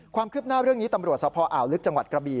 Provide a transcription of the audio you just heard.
ความคืบหน้าเรื่องนี้ตำรวจสพอ่าวลึกจังหวัดกระบี